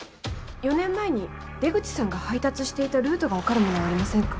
４年前に出口さんが配達していたルートが分かるものはありませんか？